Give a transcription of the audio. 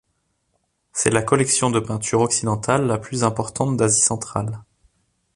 C'est la collection de peinture occidentale la plus importante d'Asie centrale.